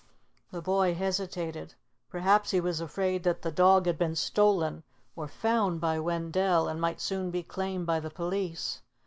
The boy hesitated. Perhaps he was afraid that the dog had been stolen or found by Wendell, and might soon be claimed by the police.